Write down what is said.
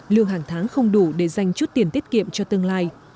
lương hàng tháng không đủ để dành chút tiền tiết kiệm cho tương lai